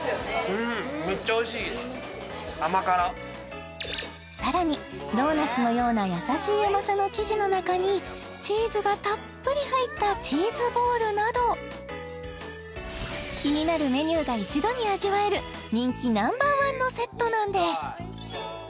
うんめっちゃおいしい甘辛さらにドーナツのような優しい甘さの生地の中にチーズがたっぷり入ったチーズボールなど気になるメニューが一度に味わえる人気Ｎｏ．１のセットなんです